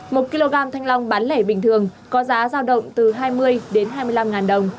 một kg thanh long bán lẻ bình thường có giá giao động từ hai mươi đến hai mươi năm ngàn đồng